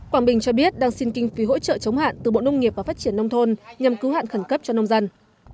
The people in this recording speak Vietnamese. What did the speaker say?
quảng bình cho biết đang xin kinh phí hỗ trợ chống hạn từ bộ nông nghiệp và phát triển nông thôn nhằm cứu hạn khẩn cấp cho nông dân